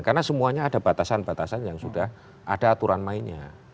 karena semuanya ada batasan batasan yang sudah ada aturan mainnya